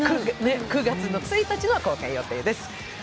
９月の１日公開予定です。